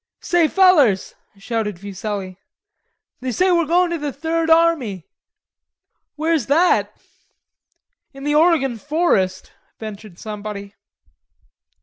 "Say, fellers," shouted Fuselli. "They say we're going to the Third Army." "Where's that?" "In the Oregon forest," ventured somebody.